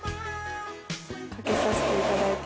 かけさせていただいて。